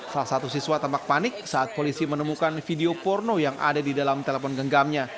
salah satu siswa tampak panik saat polisi menemukan video porno yang ada di dalam telepon genggamnya